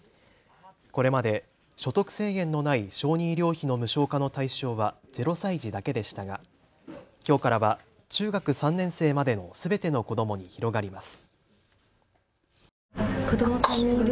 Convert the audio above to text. これまで所得制限のない小児医療費の無償化の対象は０歳児だけでしたがきょうからは中学３年生までのすべての子どもに広がります。